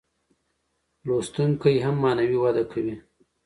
لوستونکی هم معنوي وده کوي.